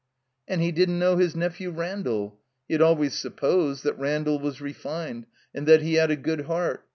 And he didn't know his nephew Randall. He had always supposed that Randall was refined and that he had a good heart.